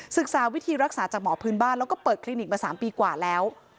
ศึกษาวิธีรักษาจากหมอพื้นบ้านแล้วก็เปิดคลินิกมา๓ปีกว่าแล้ว